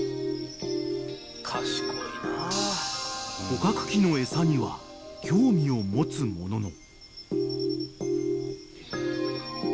［捕獲器の餌には興味を持つものの］